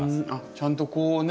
ちゃんとこうね。